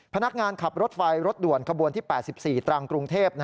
พนักงานขับรถไฟรถด่วนขบวนที่๘๔ตรังกรุงเทพ